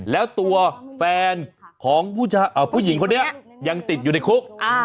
แล้วตัวแฟนของผู้หญิงคนนี้ยังติดอยู่ในคุก